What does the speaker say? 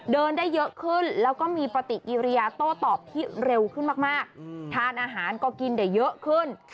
เดินได้เยอะขึ้นแล้วก็มีปฏิกิริยาโต้ตอบที่เร็วขึ้นมากทานอาหารก็กินได้เยอะขึ้น